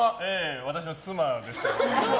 私の妻です。